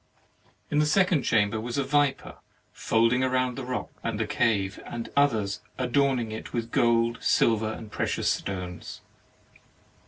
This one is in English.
In the second chamber was a viper folding round the rock and the cave, and others adorning it with gold, silver, and precious stones.